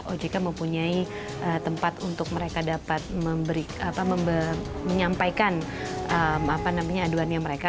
ojk mempunyai tempat untuk mereka dapat menyampaikan aduannya mereka